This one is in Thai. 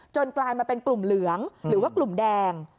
กลายมาเป็นกลุ่มเหลืองหรือว่ากลุ่มแดง